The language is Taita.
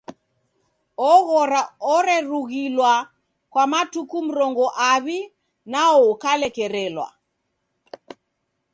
Oghora orerughilwa kwa matuku mrongo aw'i nwao ukalekerelwa.